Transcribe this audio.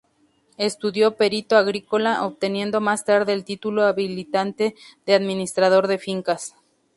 Estudió Perito agrícola, obteniendo más tarde el título habilitante de administrador de fincas.